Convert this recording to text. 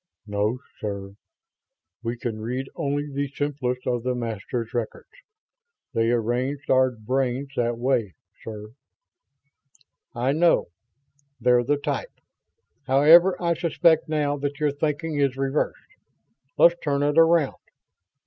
"No, sir. We can read only the simplest of the Masters' records. They arranged our brains that way, sir." "I know. They're the type. However, I suspect now that your thinking is reversed. Let's turn it around.